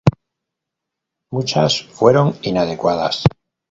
Muchas fueron inadecuadas.